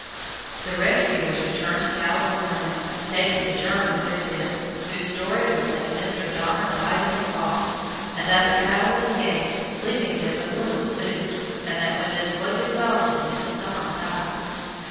The rescuers returned to California, taking the German with them, whose story was that Mr. Donner died in the fall, and that the cattle escaped, leaving them but little food, and that when this was exhausted Mrs. Donner died.